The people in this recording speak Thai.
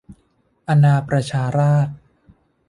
อาณาประชาราษฎร์